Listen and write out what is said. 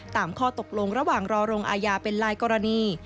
ข้อตกลงระหว่างรอลงอาญาเป็นหลายกรณี